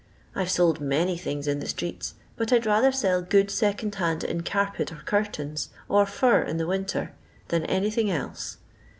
I've sold many things in the streets, but I 'd rather sell good second hand in carpet or curtains, or far in winter, than anything else.